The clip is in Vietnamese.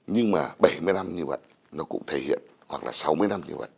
nhưng mà bảy mươi năm như vậy nó cũng thể hiện hoặc là sáu mươi năm như vậy